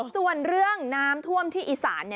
ส่วนเรื่องน้ำท่วมที่อีสาน